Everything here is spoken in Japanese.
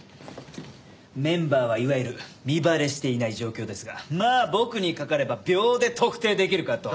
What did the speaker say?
メンバーはいわゆる身バレしていない状況ですがまあ僕にかかれば秒で特定できるかと！